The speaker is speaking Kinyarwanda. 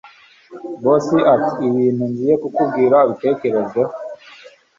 Boss atiibintu ngiye kukubwira ubitekerezeho